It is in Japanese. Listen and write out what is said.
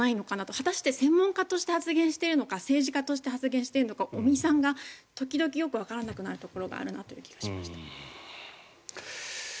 果たして専門家として発言しているのか政治家として発言しているのか尾身さんが時々よくわからなくなるところがあるなと思いました。